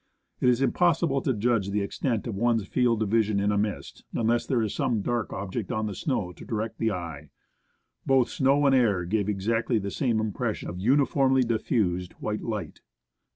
It is impossible to judge the extent of one's field of vision in a mist, unless there is some dark object on the snow to direct the eye. Both snow and air give exactly the same impression of uniformly diffused white light.